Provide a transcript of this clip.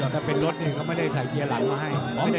ถ้าเป็นรถเขาไม่ได้ใส่เกียร์หลังมาให้